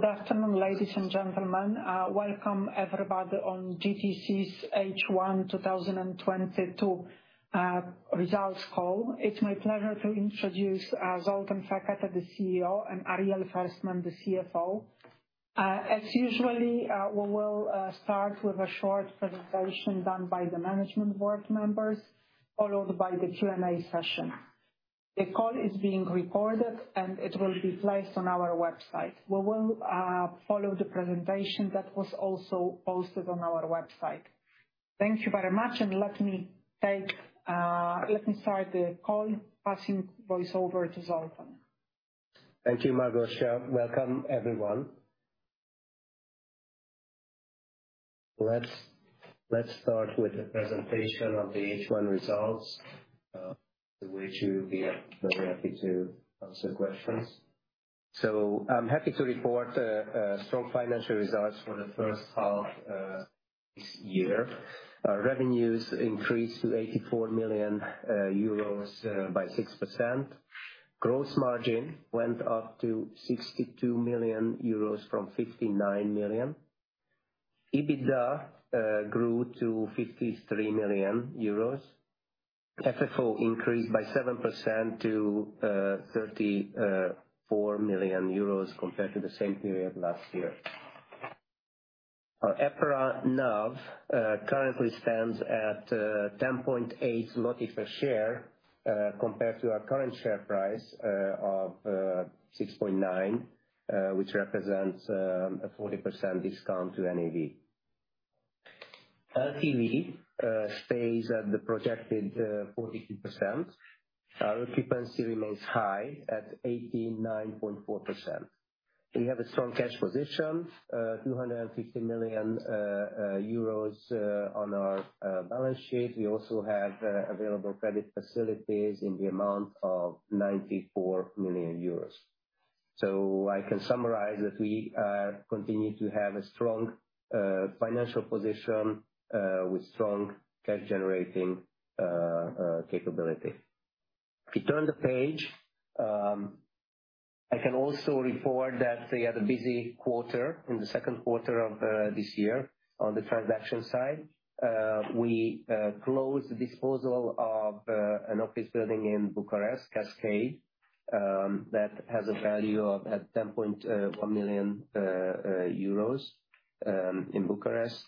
Good afternoon, ladies and gentlemen. Welcome everybody on GTC's H1 2022 results call. It's my pleasure to introduce Zsolt Farkas, the CEO, and Ariel Ferstman, the CFO. As usual, we will start with a short presentation done by the management board members, followed by the Q&A session. The call is being recorded, and it will be placed on our website. We will follow the presentation that was also posted on our website. Thank you very much, and let me start the call, passing voice over to Zsolt. Thank you, Małgorzata Czaplicka. Welcome everyone. Let's start with the presentation of the H1 results, after which we'll be very happy to answer questions. I'm happy to report strong financial results for the first half this year. Our revenues increased to 84 million euros by 6%. Gross margin went up to 62 million euros from 59 million. EBITDA grew to 53 million euros. FFO increased by 7% to 34 million euros compared to the same period last year. Our EPRA NAV currently stands at 10.8 zloty per share, compared to our current share price of 6.9, which represents a 40% discount to NAV. LTV stays at the projected 42%. Our occupancy remains high at 89.4%. We have a strong cash position, 250 million euros, on our balance sheet. We also have available credit facilities in the amount of 94 million euros. I can summarize that we continue to have a strong financial position with strong cash generating capability. If you turn the page, I can also report that we had a busy quarter in the second quarter of this year on the transaction side. We closed the disposal of an office building in Bucharest, Cascade, that has a value of 10.1 million euros in Bucharest.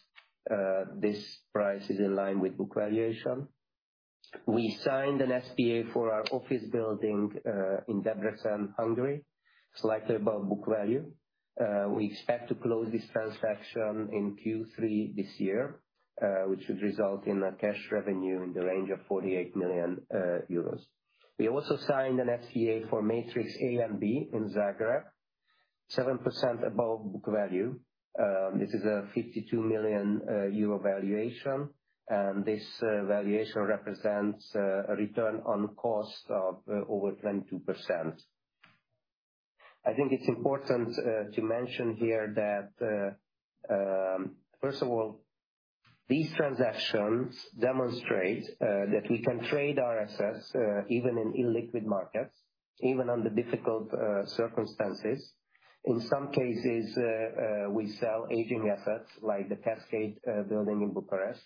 This price is in line with book valuation. We signed an SPA for our office building in Debrecen, Hungary, slightly above book value. We expect to close this transaction in third quarter this year, which should result in a cash revenue in the range of 48 million euros. We also signed an SPA for Matrix A and B in Zagreb, 7% above book value. This is a 52 million euro valuation. This valuation represents a return on cost of over 22%. I think it's important to mention here that first of all, these transactions demonstrate that we can trade our assets even in illiquid markets, even under difficult circumstances. In some cases, we sell aging assets like the Cascade building in Bucharest.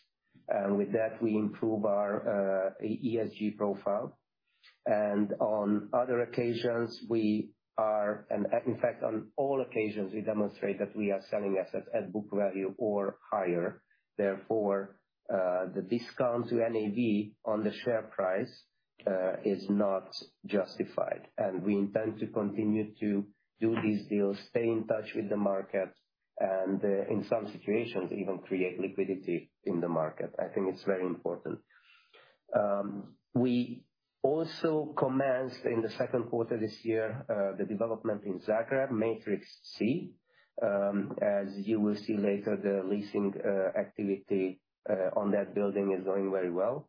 With that, we improve our ESG profile. On other occasions, in fact, on all occasions, we demonstrate that we are selling assets at book value or higher. Therefore, the discount to NAV on the share price is not justified. We intend to continue to do these deals, stay in touch with the market, and in some situations, even create liquidity in the market. I think it's very important. We also commenced in the second quarter this year the development in Zagreb Matrix C. As you will see later, the leasing activity on that building is going very well.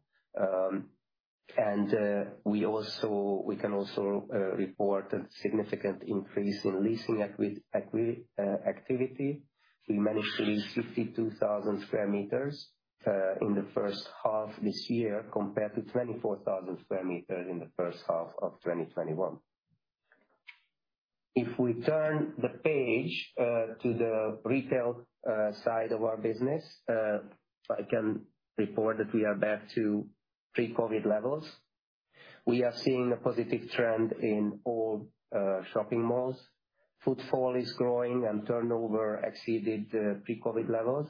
We can also report a significant increase in leasing activity. We managed to lease 62,000 square metres in the first half this year, compared to 24,000 square metres in the first half of 2021. If we turn the page to the retail side of our business, I can report that we are back to pre-COVID levels. We are seeing a positive trend in all shopping malls. Footfall is growing and turnover exceeded pre-COVID levels.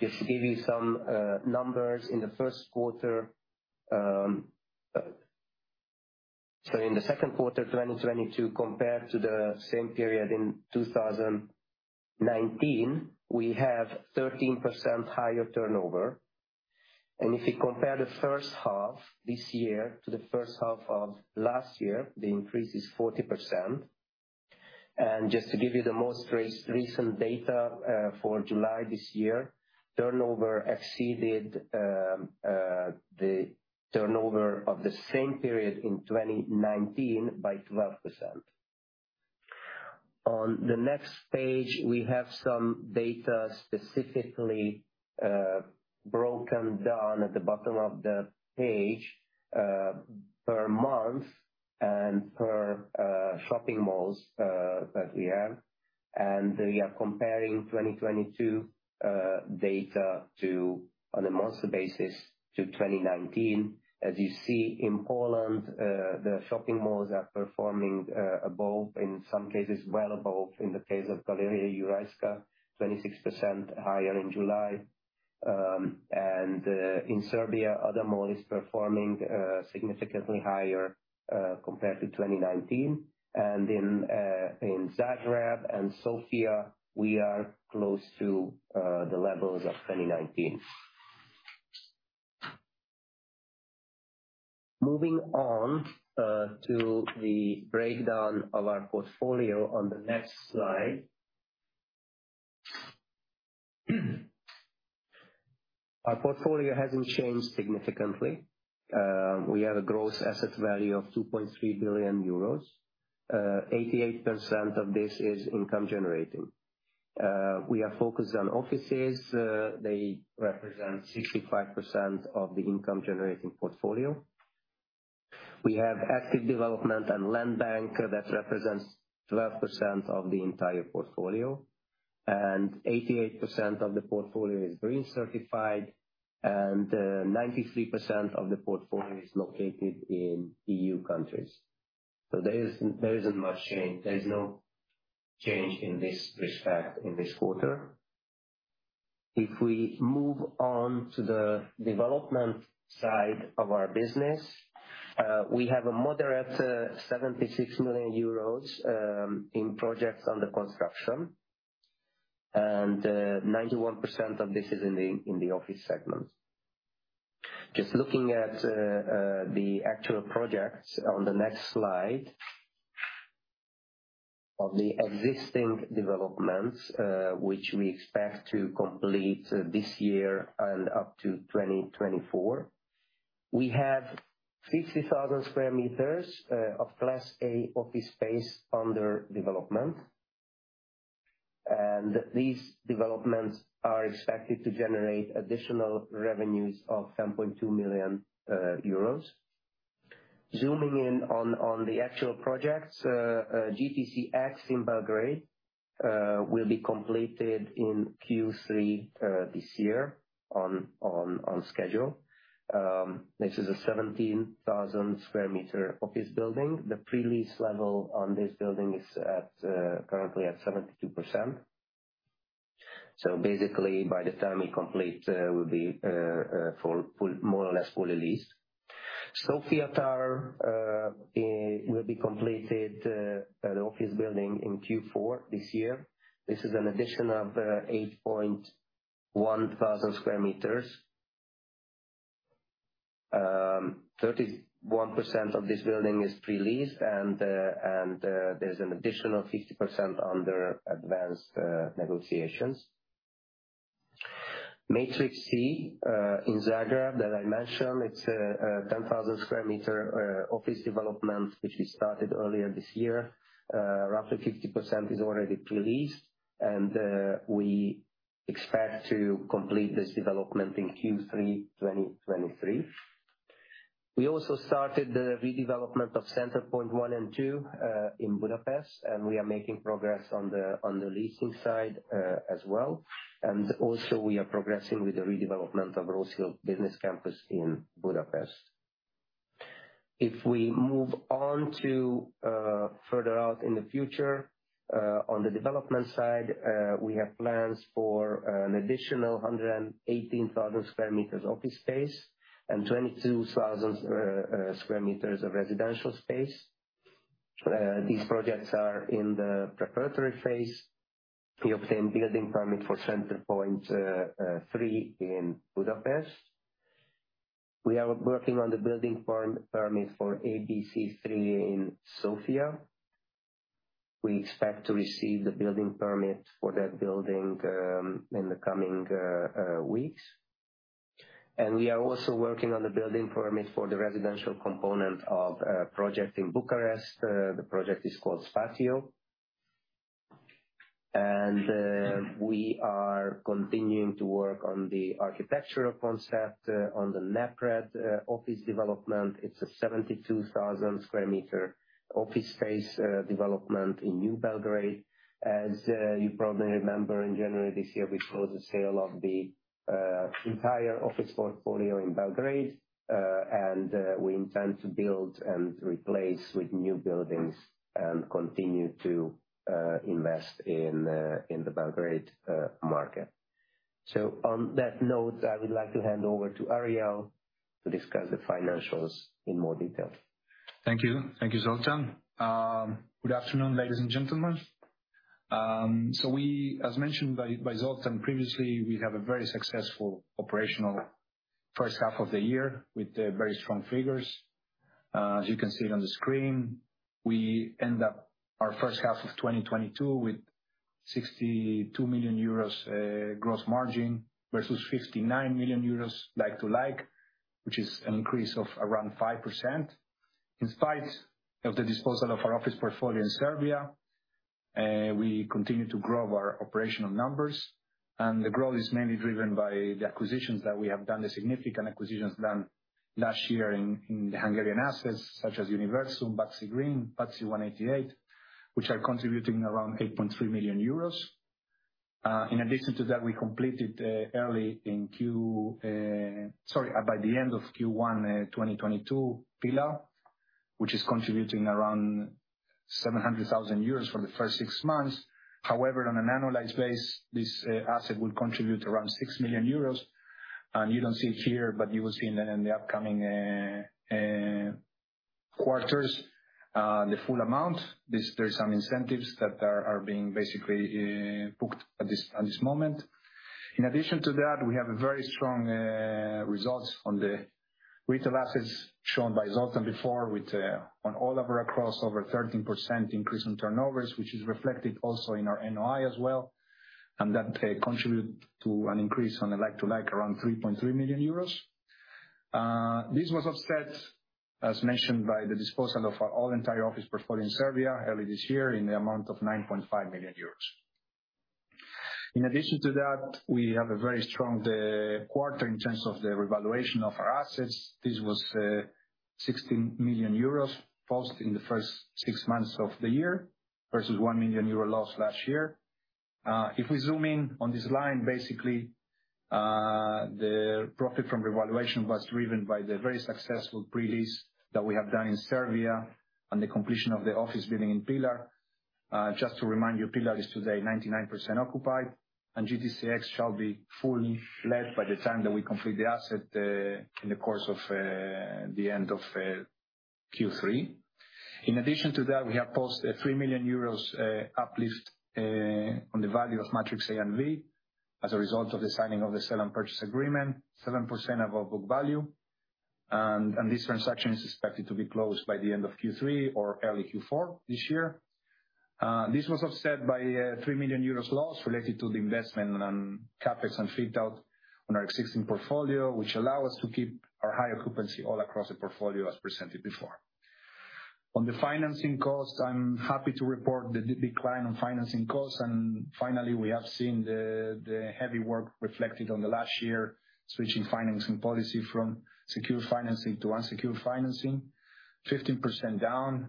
Just to give you some numbers, in the second quarter 2022 compared to the same period in 2019, we have 13% higher turnover. If you compare the first half this year to the first half of last year, the increase is 40%. Just to give you the most recent data, for July this year, turnover exceeded the turnover of the same period in 2019 by 12%. On the next page, we have some data specifically broken down at the bottom of the page, per month and per shopping malls that we have. We are comparing 2022 data to 2019 on a monthly basis. As you see, in Poland, the shopping malls are performing above, in some cases well above. In the case of Galeria Jurajska, 26% higher in July. In Serbia, other malls performing significantly higher compared to 2019. In Zagreb and Sofia, we are close to the levels of 2019. Moving on to the breakdown of our portfolio on the next slide. Our portfolio hasn't changed significantly. We have a gross asset value of 2.3 billion euros. 88% of this is income generating. We are focused on offices. They represent 65% of the income generating portfolio. We have active development and land bank that represents 12% of the entire portfolio, and 88% of the portfolio is green certified, and 93% of the portfolio is located in EU countries. There isn't much change. There is no change in this respect in this quarter. If we move on to the development side of our business, we have a moderate 76 million euros in projects under construction, and 91% of this is in the office segment. Just looking at the actual projects on the next slide. Of the existing developments, which we expect to complete this year and up to 2024, we have 60,000 square meters of class A office space under development. These developments are expected to generate additional revenues of 10.2 million euros. Zooming in on the actual projects, GTC X in Belgrade will be completed in third quarter this year on schedule. This is a 17,000 square meter office building. The pre-lease level on this building is currently at 72%. So basically, by the time we complete, we'll be full, more or less fully leased. Sofia Tower it will be completed an office building in fourth quarter this year. This is an addition of 8,100 square meters. 31% of this building is pre-leased, and there's an additional 50% under advanced negotiations. Matrix C in Zagreb that I mentioned, it's a 10,000 square meter office development, which we started earlier this year. Roughly 50% is already pre-leased, and we expect to complete this development in third quarter 2023. We also started the redevelopment of Center Point one and two in Budapest, and we are making progress on the leasing side as well. We are progressing with the redevelopment of Rose Hill Business Campus in Budapest. If we move on to further out in the future on the development side, we have plans for an additional 118,000 square meters office space and 22,000 square meters of residential space. These projects are in the preparatory phase. We obtained building permit for Center Point three in Budapest. We are working on the building permit for ABC 3 in Sofia. We expect to receive the building permit for that building in the coming weeks. We are also working on the building permit for the residential component of a project in Bucharest. The project is called Spatio. We are continuing to work on the architectural concept on the Napred office development. It's a 72,000 square meter office space development in New Belgrade. As you probably remember, in January this year, we closed the sale of the entire office portfolio in Belgrade, and we intend to build and replace with new buildings and continue to invest in the Belgrade market. On that note, I would like to hand over to Ariel to discuss the financials in more detail. Thank you. Thank you, Zsolt. Good afternoon, ladies and gentlemen. We, as mentioned by Zsoltpreviously, have a very successful operational first half of the year with very strong figures. As you can see it on the screen, we end up our first half of 2022 with 62 million euros gross margin versus 59 million euros like to like, which is an increase of around 5%. In spite of the disposal of our office portfolio in Serbia. We continue to grow our operational numbers. The growth is mainly driven by the acquisitions that we have done, the significant acquisitions done last year in the Hungarian assets such as Universum, Váci Greens, Váci 188, which are contributing around 8.3 million euros. In addition to that, we completed early in first quarter. Sorry, by the end of first quarter 2022, Pillar, which is contributing around 700,000 euros for the first six months. However, on an annualized basis, this asset will contribute around 6 million euros. You don't see it here, but you will see in the upcoming quarters the full amount. There are some incentives that are being basically booked at this moment. In addition to that, we have very strong results on the retail assets shown by Zoltan before with over 13% increase in turnovers across all of our, which is reflected also in our NOI as well, and that contribute to an increase on a like-for-like around 3.3 million euros. This was offset, as mentioned by the disposal of our entire office portfolio in Serbia early this year in the amount of 9.5 million euros. In addition to that, we have a very strong quarter in terms of the revaluation of our assets. This was sixteen million euros posted in the first six months of the year versus 1 million euro loss last year. If we zoom in on this line, basically, the profit from revaluation was driven by the very successful pre-lease that we have done in Serbia and the completion of the office building in Pillar. Just to remind you, Pillar is today 99% occupied, and GTC X shall be fully let by the time that we complete the asset in the course of the end of third quarter. In addition to that, we have posted a 3 million euros uplift on the value of Matrix A and B as a result of the signing of the sale and purchase agreement, 7% above book value. This transaction is expected to be closed by the end of third quarter or early fourth quarter this year. This was offset by a 3 million euros loss related to the investment in CapEx and fit-out in our existing portfolio, which allow us to keep our high occupancy all across the portfolio as presented before. On the financing cost, I'm happy to report the decline in financing costs. Finally, we have seen the heavy work reflected over the last year switching financing policy from secured financing to unsecured financing. 15% down,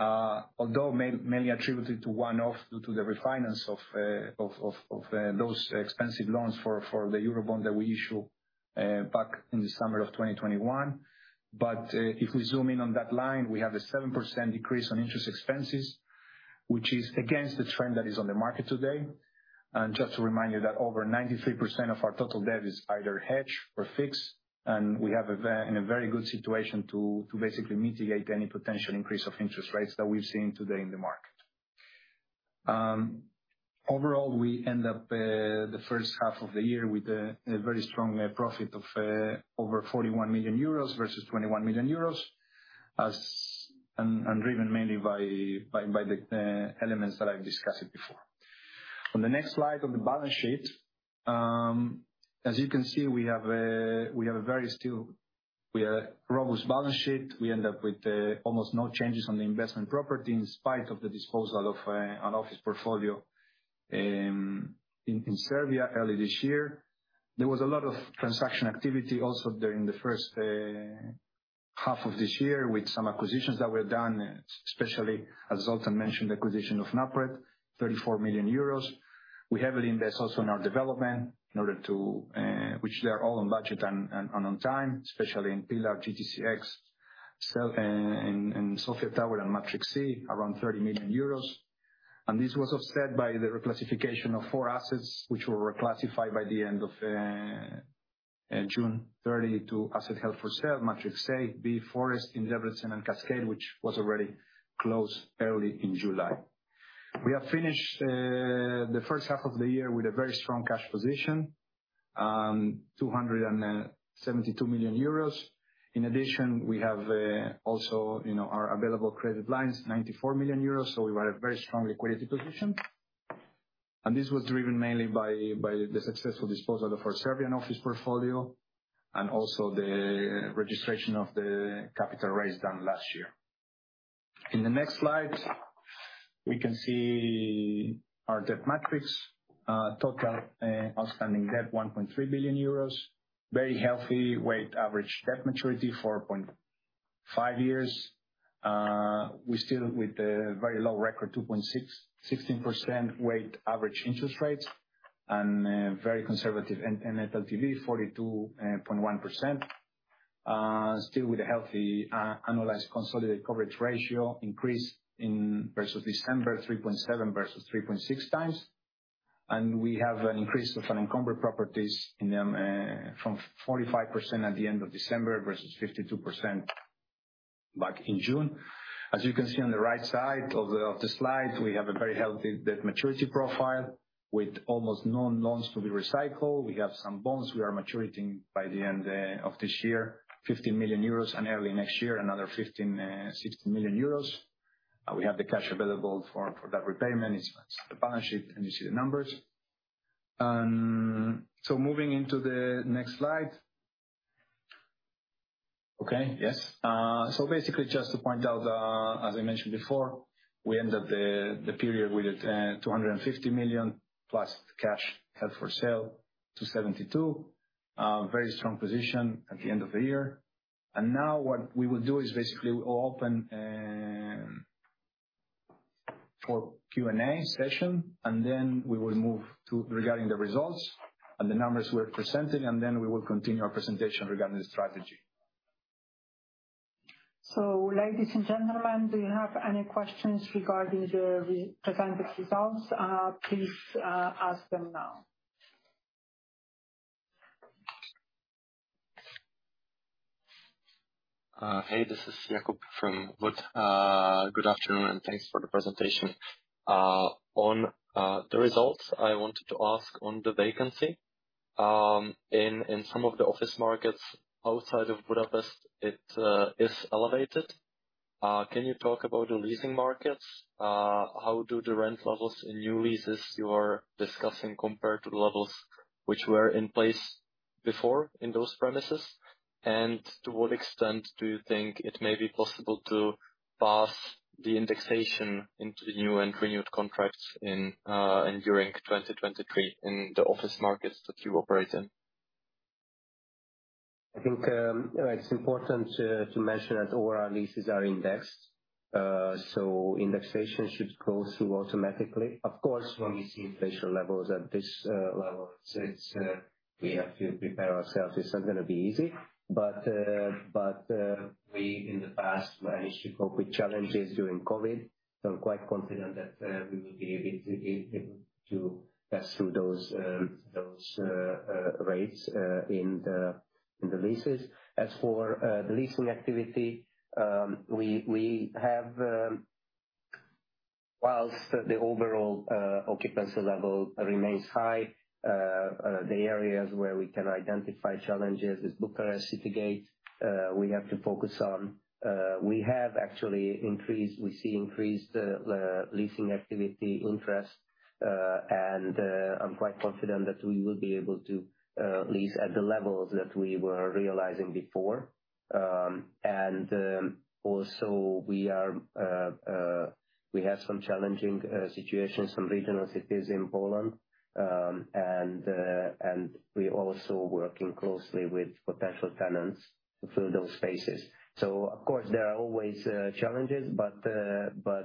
although mainly attributed to one-off due to the refinance of those expensive loans for the Eurobond that we issue back in the summer of 2021. If we zoom in on that line, we have a 7% decrease on interest expenses, which is against the trend that is on the market today. Just to remind you that over 93% of our total debt is either hedged or fixed, and we have in a very good situation to basically mitigate any potential increase of interest rates that we've seen today in the market. Overall, we end up the first half of the year with a very strong profit of over 41 million euros versus 21 million euros as, Driven mainly by the elements that I've discussed before. On the next slide on the balance sheet, as you can see, we have a very solid robust balance sheet. We end up with almost no changes on the investment property in spite of the disposal of an office portfolio in Serbia early this year. There was a lot of transaction activity also during the first half of this year with some acquisitions that were done, especially as Zoltan mentioned, acquisition of Napred, 34 million euros. We heavily invest also in our developments, which are all on budget and on time, especially in Pillar, GTCX, in Sofia Tower and Matrix C, around 30 million euros. This was offset by the reclassification of four assets, which were reclassified by the end of June 30 to asset held for sale, Matrix A, Matrix B, Forest, Endeavor, SimonCascade, which was already closed early in July. We have finished the first half of the year with a very strong cash position, 272 million euros. In addition, we have also, you know, our available credit lines, 94 million euros. We were at a very strong liquidity position. This was driven mainly by the successful disposal of our Serbian office portfolio and also the registration of the capital raise done last year. In the next slide, we can see our debt matrix. Total outstanding debt, 1.3 billion euros. Very healthy weighted average debt maturity, 4.5 years. We still have a very low record 2.6-16% weighted average interest rates and very conservative net LTV, 42.1%. Still with a healthy annualized consolidated coverage ratio increase versus December, 3.7x versus 3.6x. We have an increase in unencumbered properties from 45% at the end of December versus 52% back in June. As you can see on the right side of the slide, we have a very healthy debt maturity profile with almost no loans to be recycled. We have some bonds we are maturing by the end of this year, 15 million euros, and early next year, another 156 million euros. We have the cash available for that repayment. It's on the balance sheet, and you see the numbers. Moving into the next slide. So basically just to point out, as I mentioned before, we ended the period with €250 million plus cash held for sale to 72. Very strong position at the end of the year. Now what we will do is basically open for Q&A session, and then we will move to regarding the results and the numbers we are presenting, and then we will continue our presentation regarding the strategy. Ladies and gentlemen, do you have any questions regarding the re-presented results? Please, ask them now. Hey, this is Jakub Caithaml from Wood & Company. Good afternoon, and thanks for the presentation. On the results, I wanted to ask on the vacancy in some of the office markets outside of Budapest, it is elevated. Can you talk about the leasing markets? How do the rent levels in new leases you are discussing compare to the levels which were in place before in those premises? To what extent do you think it may be possible to pass the indexation into the new and renewed contracts in during 2023 in the office markets that you operate in? I think it's important to mention that all our leases are indexed, so indexation should go through automatically. Of course, when we see inflation levels at this level, it's we have to prepare ourselves. It's not gonna be easy. We in the past managed to cope with challenges during COVID, so I'm quite confident that we will be able to pass through those rates in the leases. As for the leasing activity, we have whilst the overall occupancy level remains high, the areas where we can identify challenges is City Gate. We have to focus on, we see increased leasing activity interest, and I'm quite confident that we will be able to lease at the levels that we were realizing before. Also we have some challenging situations, some regional cities in Poland, and we're also working closely with potential tenants to fill those spaces. Of course, there are always challenges, but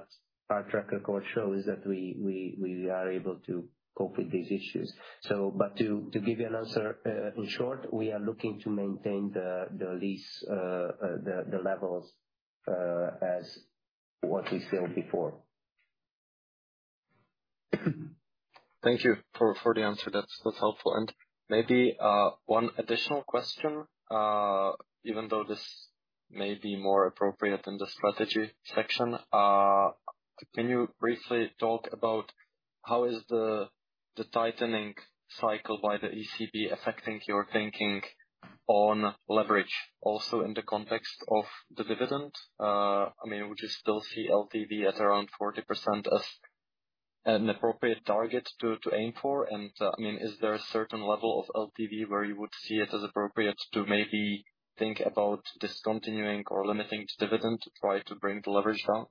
our track record shows that we are able to cope with these issues. But to give you an answer, in short, we are looking to maintain the lease levels as what we sold before. Thank you for the answer. That's helpful. Maybe one additional question, even though this may be more appropriate in the strategy section. Can you briefly talk about how the tightening cycle by the ECB is affecting your thinking on leverage also in the context of the dividend? I mean, would you still see LTV at around 40% as an appropriate target to aim for? I mean, is there a certain level of LTV where you would see it as appropriate to maybe think about discontinuing or limiting dividend to try to bring the leverage down?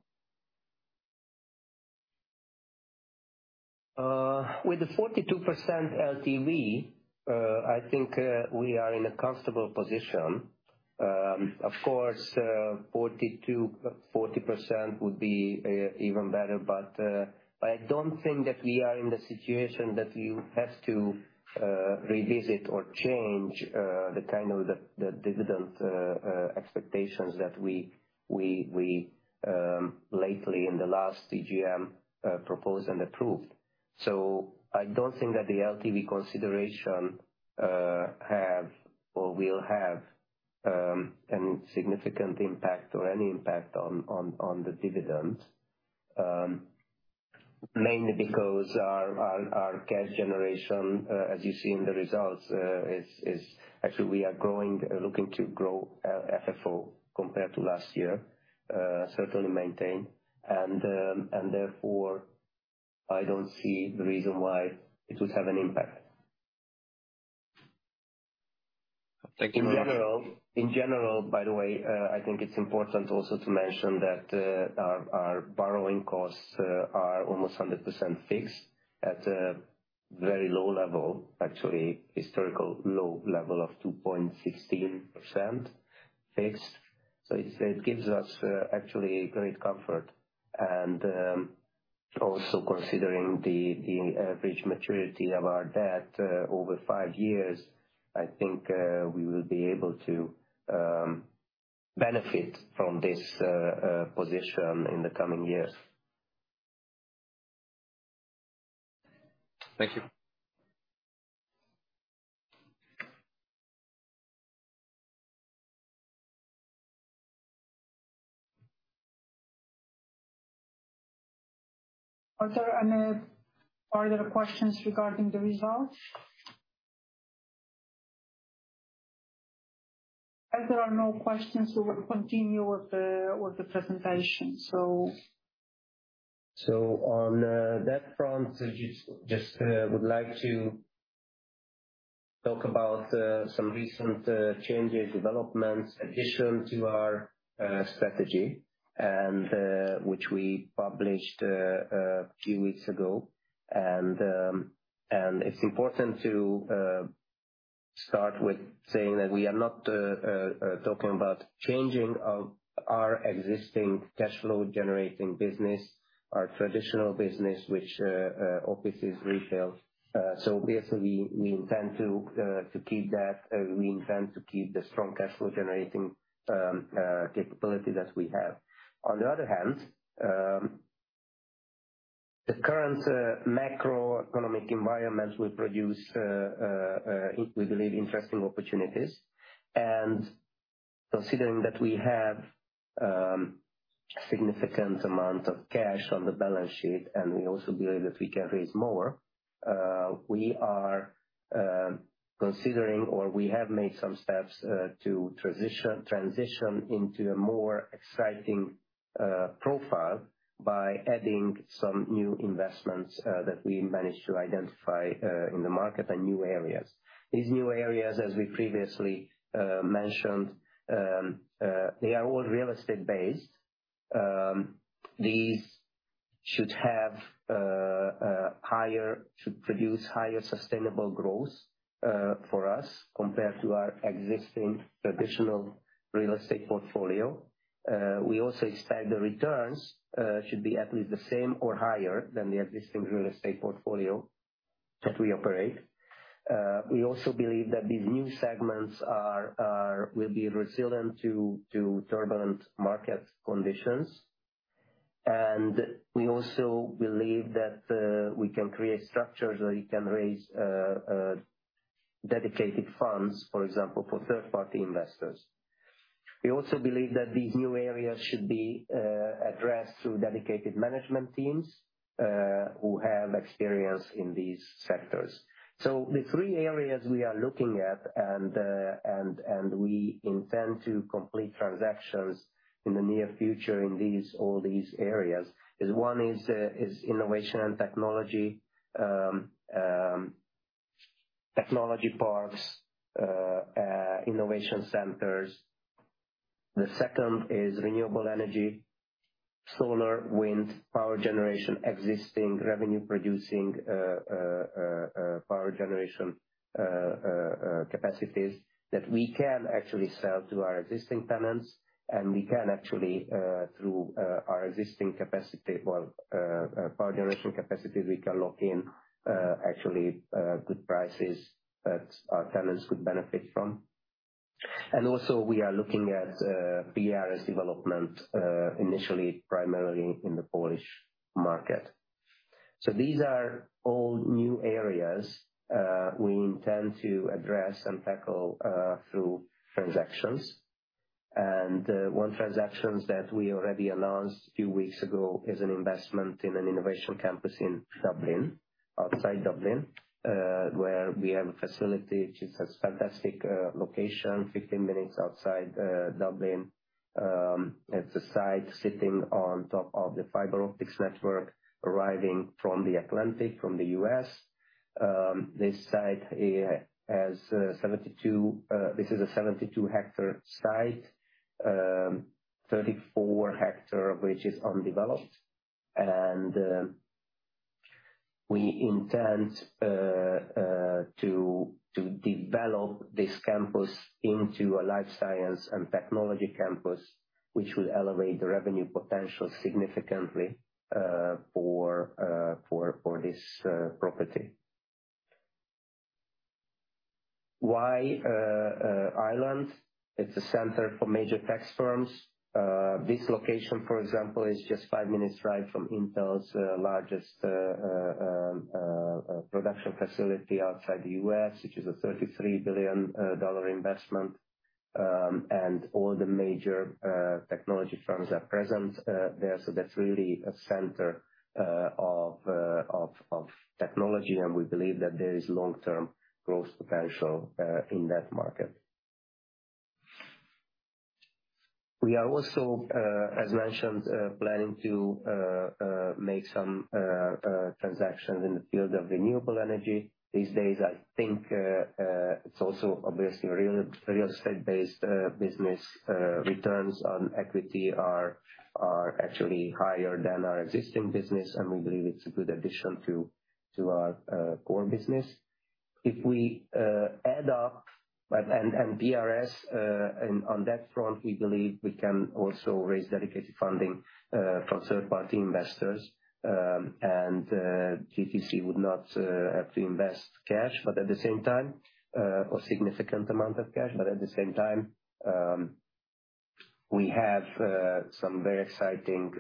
With the 42% LTV, I think we are in a comfortable position. Of course, 42.40% would be even better, but I don't think that we are in the situation that you have to revisit or change the kind of the dividend expectations that we lately in the last AGM proposed and approved. I don't think that the LTV consideration have or will have any significant impact or any impact on the dividends. Mainly because our cash generation, as you see in the results, is actually we are growing, looking to grow FFO compared to last year, certainly maintain. Therefore, I don't see the reason why it would have an impact. Thank you very much. In general, by the way, I think it's important also to mention that our borrowing costs are almost 100% fixed at a very low level, actually historically low level of 2.16% fixed. So it gives us actually great comfort. Also considering the average maturity of our debt over five years, I think we will be able to benefit from this position in the coming years. Thank you. Are there any further questions regarding the results? As there are no questions, we will continue with the presentation. On that front, I just would like to talk about some recent changes, developments addition to our strategy and which we published a few weeks ago. It's important to start with saying that we are not talking about changing our existing cash flow generating business, our traditional business, which obviously is retail. Basically, we intend to keep that, we intend to keep the strong cash flow generating capability that we have. On the other hand, the current macroeconomic environment will produce, we believe interesting opportunities. Considering that we have significant amount of cash on the balance sheet, and we also believe that we can raise more, we are considering, or we have made some steps, to transition into a more exciting profile by adding some new investments that we managed to identify in the market and new areas. These new areas, as we previously mentioned, they are all real estate-based. These should produce higher sustainable growth for us compared to our existing traditional real estate portfolio. We also expect the returns should be at least the same or higher than the existing real estate portfolio that we operate. We also believe that these new segments will be resilient to turbulent market conditions. We also believe that we can create structures where we can raise dedicated funds, for example, for third-party investors. We also believe that these new areas should be addressed through dedicated management teams who have experience in these sectors. The three areas we are looking at and we intend to complete transactions in the near future in all these areas is one is innovation and technology parks, innovation centers. The second is renewable energy, solar, wind, power generation, existing revenue-producing power generation capacities that we can actually sell to our existing tenants, and we can actually through our existing capacity, well, power generation capacity, we can lock in actually good prices that our tenants could benefit from. We are looking at PRS development initially primarily in the Polish market. These are all new areas we intend to address and tackle through transactions. One transaction that we already announced a few weeks ago is an investment in an innovation campus in Dublin, outside Dublin, where we have a facility which has fantastic location, 15 minutes outside Dublin. It's a site sitting on top of the fiber optics network arriving from the Atlantic from the US. This is a 72-hectare site, 34 hectares of which is undeveloped. We intend to develop this campus into a life science and technology campus, which will elevate the revenue potential significantly for this property. Why Ireland? It's a center for major tech firms. This location, for example, is just five minutes drive from Intel's largest production facility outside the U.S., which is a $33 billion investment. All the major technology firms are present there. That's really a center of technology, and we believe that there is long-term growth potential in that market. We are also, as mentioned, planning to make some transactions in the field of renewable energy these days. I think it's also obviously a real estate-based business. Returns on equity are actually higher than our existing business, and we believe it's a good addition to our core business. If we add up but in PRS and on that front, we believe we can also raise dedicated funding from third-party investors. GTC would not have to invest cash, but at the same time, nor a significant amount of cash, but at the same time, we have some very exciting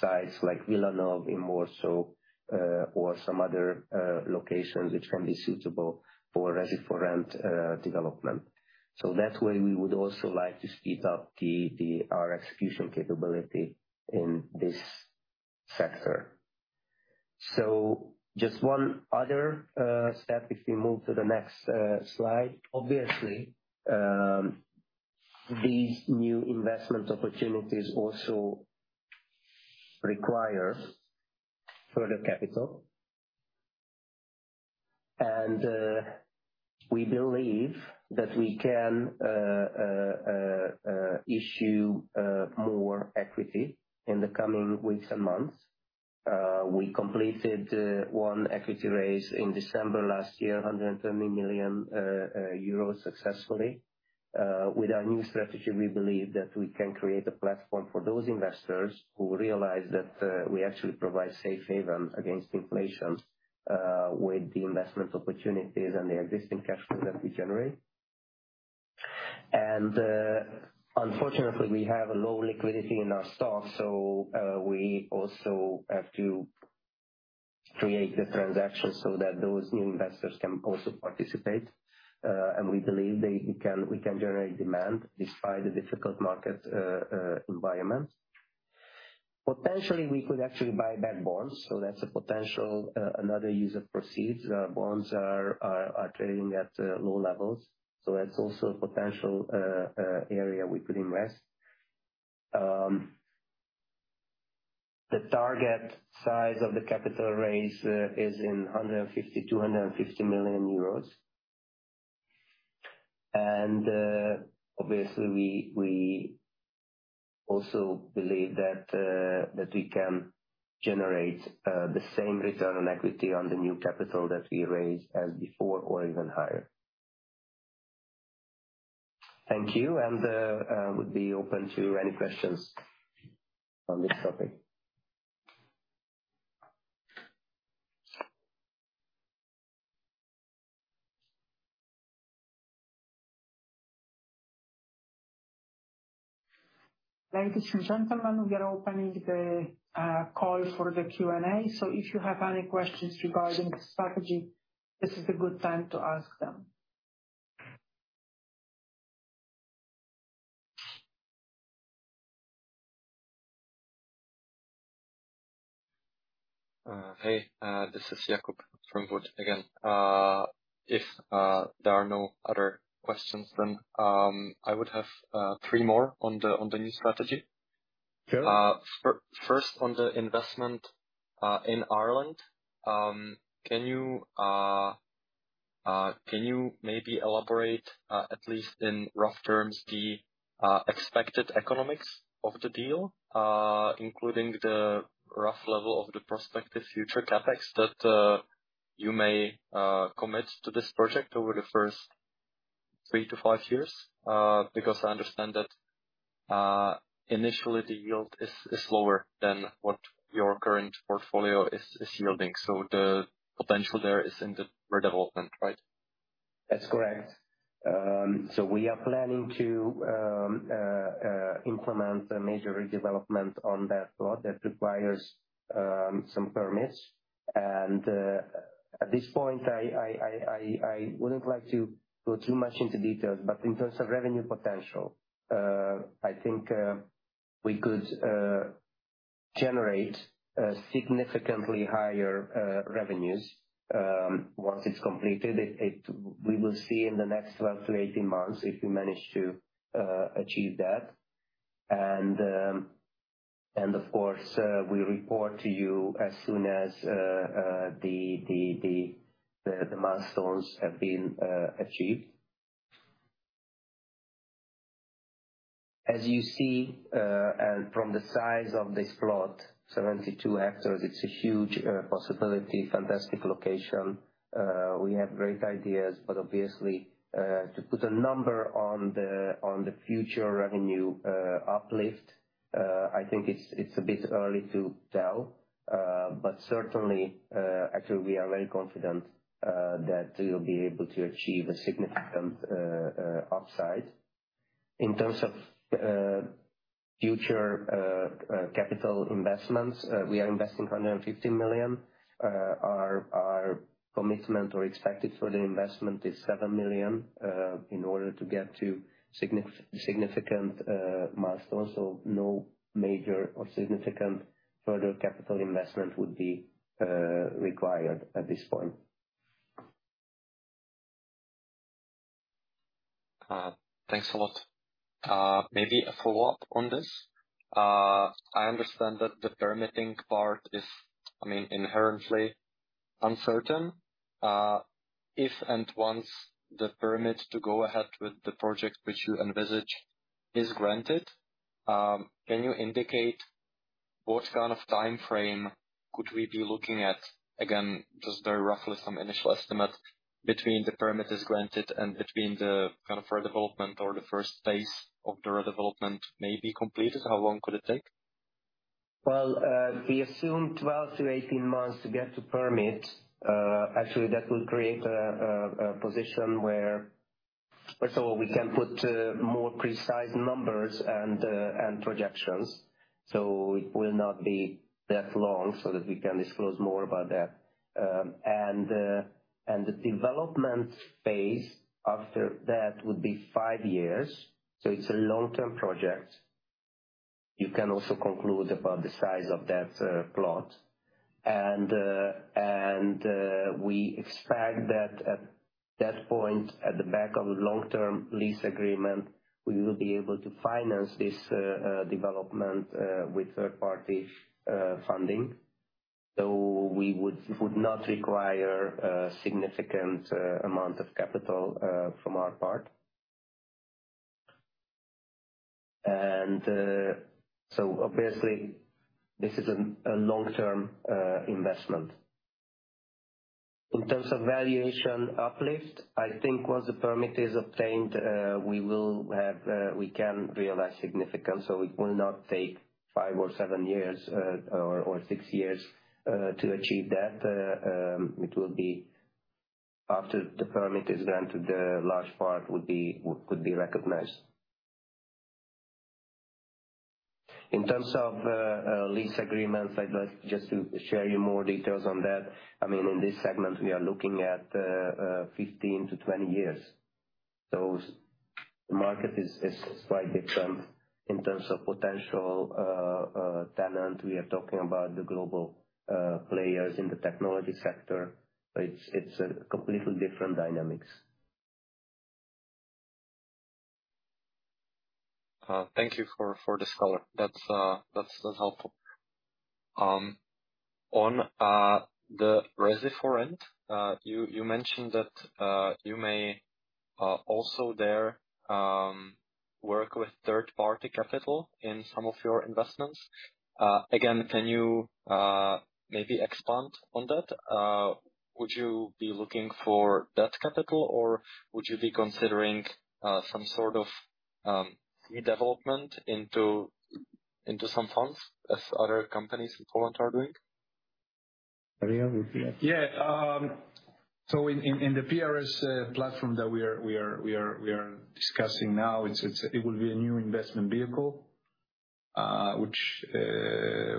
sites like Wilanów in Warsaw, or some other locations which can be suitable for ready-for-rent development. That way, we would also like to speed up our execution capability in this sector. Just one other step if we move to the next slide. Obviously, these new investment opportunities also require further capital. We believe that we can issue more equity in the coming weeks and months. We completed one equity raise in December last year, 130 million euros successfully. With our new strategy, we believe that we can create a platform for those investors who realize that we actually provide safe haven against inflation with the investment opportunities and the existing cash flow that we generate. Unfortunately, we have a low liquidity in our stock, so we also have to create the transaction so that those new investors can also participate. We believe we can generate demand despite the difficult market environment. Potentially, we could actually buy back bonds, so that's a potential another use of proceeds. Bonds are trading at low levels, so that's also a potential area we could invest. The target size of the capital raise is 150 million-250 million euros. Obviously, we also believe that that we can generate the same return on equity on the new capital that we raise as before or even higher. Thank you. Would be open to any questions on this topic. Ladies and gentlemen, we are opening the call for the Q&A. If you have any questions regarding the strategy, this is a good time to ask them. Hey, this is Jakub from Wood again. If there are no other questions, then I would have three more on the new strategy. Sure. First, on the investment in Ireland, can you maybe elaborate, at least in rough terms, the expected economics of the deal, including the rough level of the prospective future CapEx that you may commit to this project over the first 3-5 years? Because I understand that initially the yield is lower than what your current portfolio is yielding. The potential there is in the re-development, right? That's correct. We are planning to implement a major redevelopment on that plot that requires some permits. At this point I wouldn't like to go too much into details. In terms of revenue potential, I think we could generate significantly higher revenues once it's completed. We will see in the next 12-18 months if we manage to achieve that. Of course, we'll report to you as soon as the milestones have been achieved. As you see, from the size of this plot, 72 hectares, it's a huge possibility, fantastic location. We have great ideas, but obviously, to put a number on the future revenue uplift, I think it's a bit early to tell. Certainly, actually we are very confident that we will be able to achieve a significant upside. In terms of future capital investments, we are investing 150 million. Our commitment or expected further investment is 7 million in order to get to significant milestones. No major or significant further capital investment would be required at this point. Thanks a lot. Maybe a follow-up on this. I understand that the permitting part is, I mean, inherently uncertain. If and once the permit to go ahead with the project which you envisage is granted, can you indicate what kind of timeframe could we be looking at? Again, just very roughly some initial estimate between the permit is granted and between the kind of redevelopment or the first phase of the redevelopment may be completed. How long could it take? Well, we assume 12-18 months to get the permit. Actually, that will create a position where first of all we can put more precise numbers and projections. It will not be that long so that we can disclose more about that. The development phase after that would be five years. It's a long-term project. You can also conclude about the size of that plot. We expect that at that point, on the back of long-term lease agreement, we will be able to finance this development with third party funding. We would not require a significant amount of capital on our part. Obviously this is a long-term investment. In terms of valuation uplift, I think once the permit is obtained, we can realize significant, so it will not take five or seven years, or six years, to achieve that. It will be after the permit is granted, the large part would be recognized. In terms of lease agreements, I'd like just to share with you more details on that. I mean, in this segment, we are looking at 15-20 years. So the market is slightly different in terms of potential tenant. We are talking about the global players in the technology sector. It's a completely different dynamics. Thank you for this color. That's helpful. On the resi front, you mentioned that you may also there work with third-party capital in some of your investments. Again, can you maybe expand on that? Would you be looking for that capital, or would you be considering some sort of redevelopment into some funds as other companies in Poland are doing? So in the PRS platform that we are discussing now, it will be a new investment vehicle, which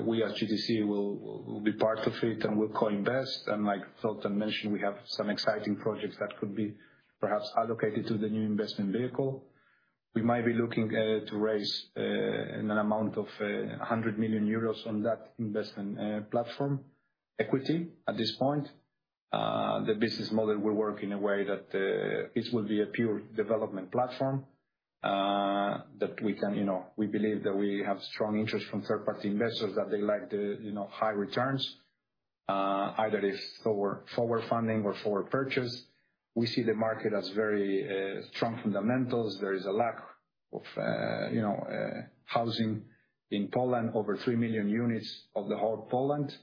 we at GTC will be part of it, and we'll co-invest. Like Zoltan mentioned, we have some exciting projects that could be perhaps allocated to the new investment vehicle. We might be looking to raise an amount of 100 million euros on that investment platform equity at this point. The business model will work in a way that this will be a pure development platform that we can, you know, we believe that we have strong interest from third party investors, that they like the, you know, high returns, either it's forward funding or forward purchase. We see the market as very strong fundamentals. There is a lack of, you know, housing in Poland, over three million units of the whole Poland.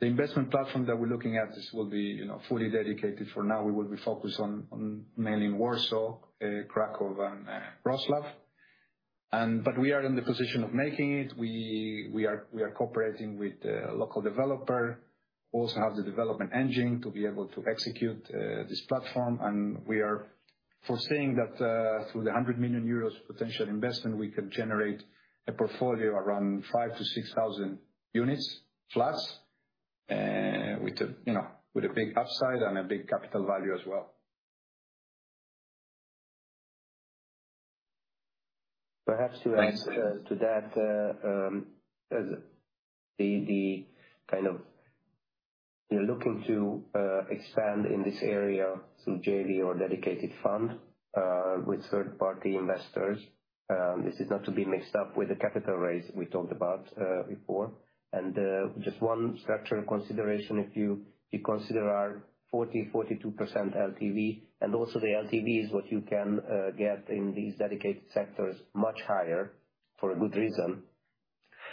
The investment platform that we're looking at, this will be, you know, fully dedicated. For now, we will be focused on mainly Warsaw, Kraków and Wrocław. We are in the position of making it. We are cooperating with the local developer. We also have the development engine to be able to execute this platform. We are foreseeing that through the 100 million euros potential investment, we can generate a portfolio around 5,000-6,000 units, flats, with a, you know, with a big upside and a big capital value as well. Perhaps to add to that, as the kind of you're looking to expand in this area through JV or dedicated fund with third-party investors, this is not to be mixed up with the capital raise we talked about before. Just one structural consideration, if you consider our 42% LTV and also the LTV is what you can get in these dedicated sectors much higher for a good reason,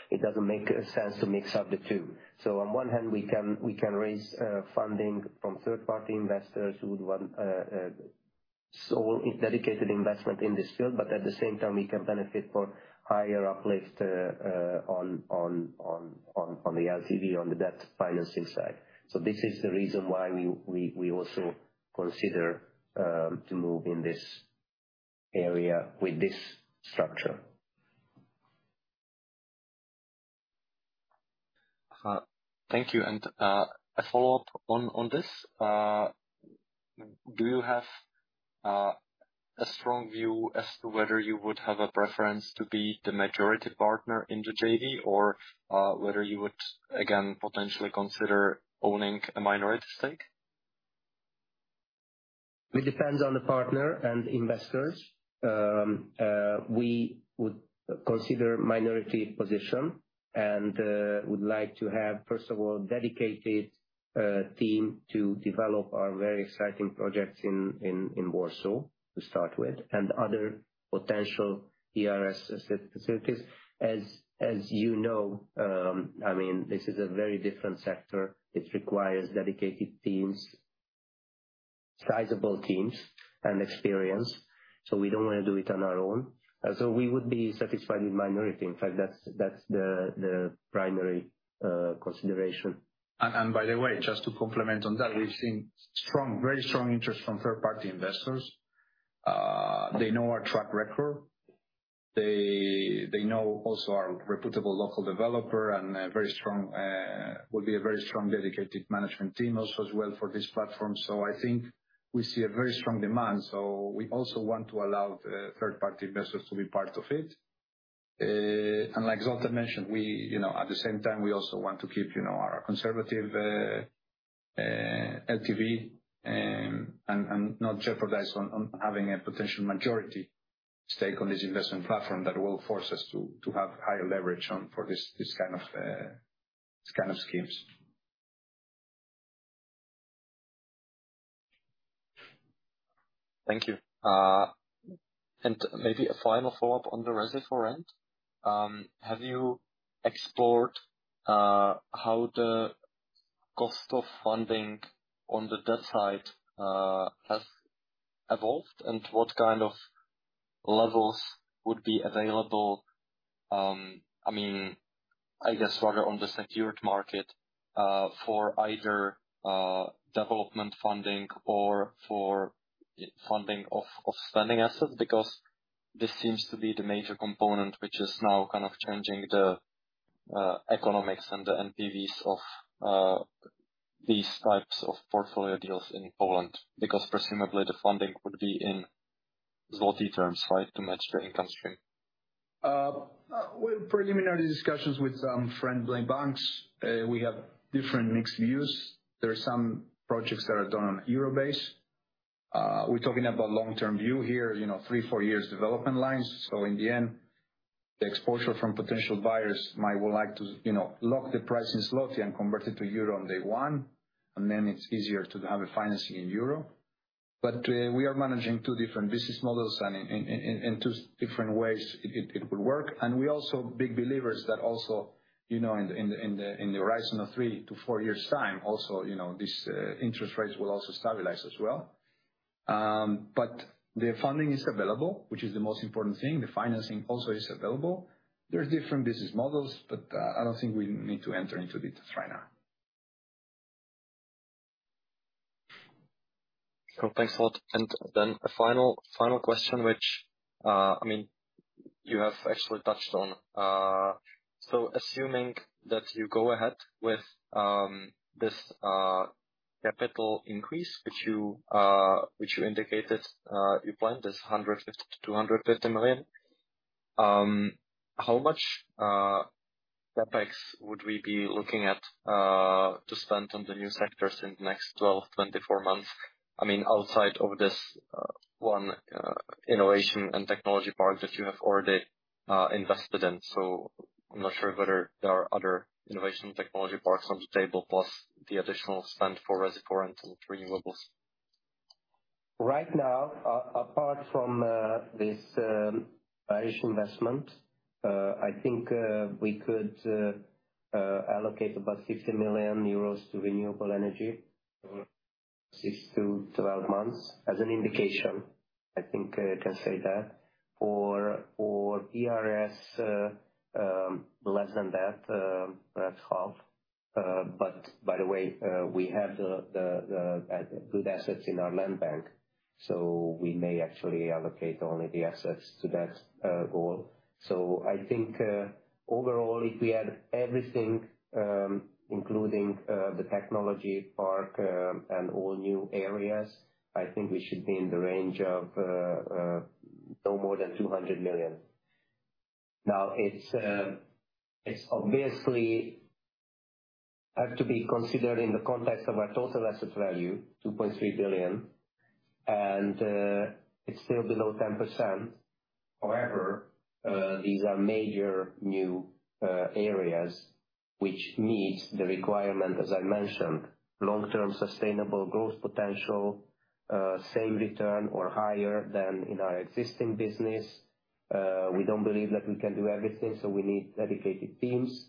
it doesn't make sense to mix up the two. On one hand, we can raise funding from third party investors who would want sole dedicated investment in this field, but at the same time, we can benefit from higher uplift on the LTV on the debt financing side. This is the reason why we also consider to move in this area with this structure. Thank you. A follow-up on this. Do you have a strong view as to whether you would have a preference to be the majority partner in the JV or whether you would again, potentially consider owning a minority stake? It depends on the partner and investors. We would consider minority position and would like to have, first of all, dedicated team to develop our very exciting projects in Warsaw to start with and other potential PRS facilities. As you know, I mean, this is a very different sector. It requires dedicated teams, sizable teams and experience, so we don't wanna do it on our own. We would be satisfied with minority. In fact, that's the primary consideration. By the way, just to comment on that, we've seen very strong interest from third-party investors. They know our track record. They know also our reputable local developer and a very strong dedicated management team also as well for this platform. I think. We see a very strong demand, so we also want to allow the third-party investors to be part of it. Like Zsolt mentioned, we, you know, at the same time, we also want to keep, you know, our conservative LTV and not jeopardize on having a potential majority stake on this investment platform that will force us to have higher leverage on for this kind of schemes. Thank you. Maybe a final follow-up on the residential for rent. Have you explored how the cost of funding on the debt side has evolved? What kind of levels would be available, I mean, I guess rather on the secured market, for either development funding or for funding of standing assets? Because this seems to be the major component which is now kind of changing the economics and the NPVs of these types of portfolio deals in Poland, because presumably the funding would be in zloty terms, right, to match the income stream. We're in preliminary discussions with some friendly banks. We have different mixed views. There are some projects that are done on euro base. We're talking about long-term view here, you know, three, four years development lines. In the end, the exposure from potential buyers might would like to, you know, lock the price in zloty and convert it to euro on day one, and then it's easier to have a financing in euro. We are managing two different business models and in two different ways it could work. We're also big believers that also, you know, in the horizon of 3-4 years' time also, you know, this interest rates will also stabilize as well. The funding is available, which is the most important thing. The financing also is available. There are different business models, but, I don't think we need to enter into the details right now. Cool. Thanks a lot. A final question, which, I mean, you have actually touched on. Assuming that you go ahead with this capital increase which you indicated you planned as 150 million-250 million, how much CapEx would we be looking at to spend on the new sectors in the next 12, 24 months? I mean, outside of this one innovation and technology park that you have already invested in. I'm not sure whether there are other innovation technology parks on the table, plus the additional spend for residential for rent and renewables. Right now, apart from this Irish investment, I think we could allocate about 60 million euros to renewable energy, 6-12 months, as an indication. I think I can say that. For PRS, less than that, perhaps half. But by the way, we have the good assets in our land bank, so we may actually allocate only the assets to that goal. I think overall, if we add everything, including the technology park and all new areas, I think we should be in the range of no more than 200 million. Now, it's obviously have to be considered in the context of our total asset value, 2.3 billion, and it's still below 10%. However, these are major new areas which meet the requirement, as I mentioned, long-term sustainable growth potential, same return or higher than in our existing business. We don't believe that we can do everything, so we need dedicated teams.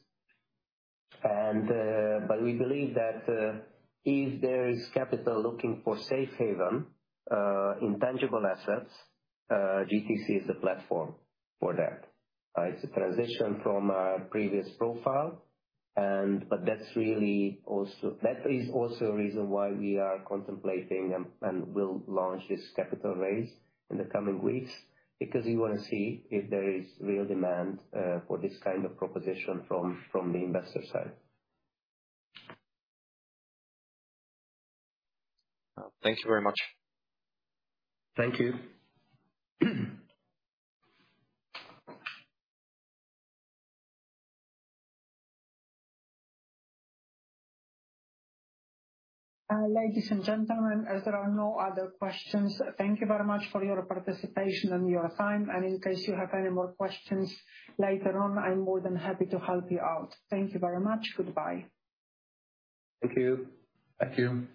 We believe that if there is capital looking for safe haven in tangible assets, GTC is the platform for that. It's a transition from our previous profile. That is also a reason why we are contemplating and will launch this capital raise in the coming weeks, because we wanna see if there is real demand for this kind of proposition from the investor side. Thank you very much. Thank you. Ladies and gentlemen, as there are no other questions, thank you very much for your participation and your time. In case you have any more questions later on, I'm more than happy to help you out. Thank you very much. Goodbye. Thank you. Thank you.